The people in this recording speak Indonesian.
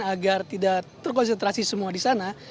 agar tidak terkonsentrasi semua di sana